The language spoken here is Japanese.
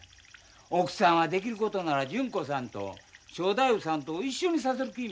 奥さんはできることなら純子さんと正太夫さんとを一緒にさせる気なんや。